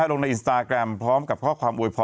ลงในอินสตาแกรมพร้อมกับข้อความโวยพร